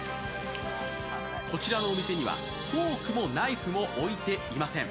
こちらのお店にはフォークもナイフも置いていません。